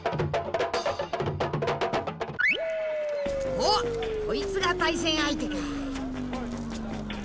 おっこいつが対戦相手か。